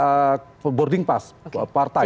ada boarding pass partai